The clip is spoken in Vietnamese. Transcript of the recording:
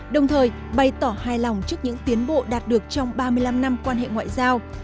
đồng thời bày tỏ hài lòng trước những tiến bộ đạt được trong ba mươi năm năm quan hệ ngoại giao